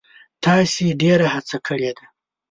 تاسو ډیره هڅه کړې ده.